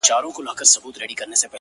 گلابي شونډي يې د بې په نوم رپيږي ـ